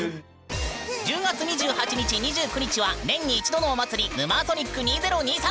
１０月２８日２９日は年に一度のお祭り「ヌマーソニック２０２３」！